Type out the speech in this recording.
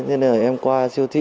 thế nên là em qua siêu thị